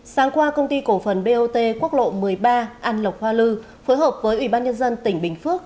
sáng qua công ty cổ phần bot quốc lộ một mươi ba an lộc hoa lư phối hợp với ủy ban nhân dân tỉnh bình phước